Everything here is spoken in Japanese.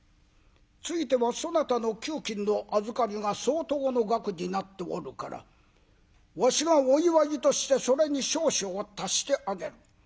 ついてはそなたの給金の預かりが相当の額になっておるからわしがお祝いとしてそれに少々足してあげる。